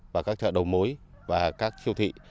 và các chợ đầu mối và các siêu thị